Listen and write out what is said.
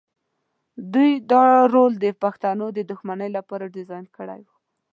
دوی دا رول د پښتنو د دښمنۍ لپاره ډیزاین کړی و.